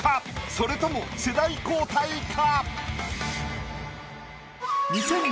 それとも世代交代か？